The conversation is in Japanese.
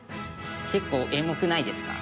結構エモくないですか？